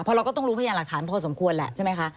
เพราะเราก็ต้องรู้พยานหลักฐานพอสมควรแหละใช่ไหมคะ